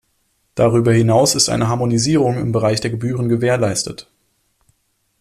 Darüber hinaus ist eine Harmonisierung im Bereich der Gebühren gewährleistet.